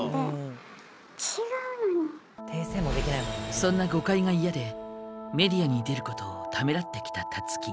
そんな誤解が嫌でメディアに出ることをためらってきたたつき。